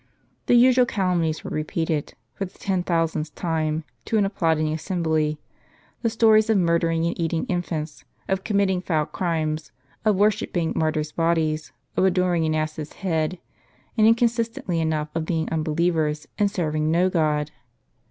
The usual calumnies were i epeated, for the ten thousandth time, to an applauding assembly ; the stories of murdering and eating infants, of committing foul crimes, of worshipping martyi's' bodies, of adoring an ass's head, and inconsistently enough of being unbelievers, and serving no God.